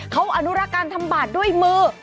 เขาอนุรักษ์การทำบาดด้วยมือ